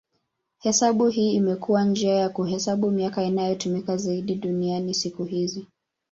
Hesabu hii imekuwa njia ya kuhesabu miaka inayotumika zaidi duniani siku hizi.